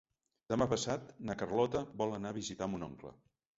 Demà passat na Carlota vol anar a visitar mon oncle.